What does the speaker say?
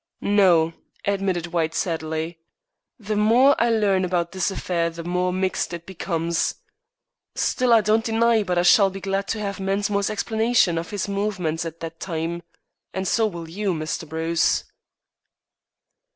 "No," admitted White sadly; "the more I learn about this affair the more mixed it becomes. Still, I don't deny but I shall be glad to have Mensmore's explanation of his movements at that time. And so will you, Mr. Bruce."